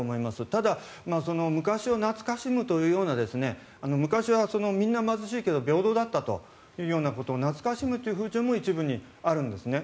ただ、昔を懐かしむというような昔はみんな貧しいけど平等だったというようなことを懐かしむという風潮も一部にあるんですね。